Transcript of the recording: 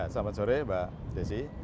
selamat sore mbak desi